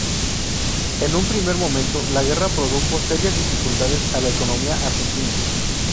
En un primer momento, la Guerra produjo serias dificultades a la economía argentina.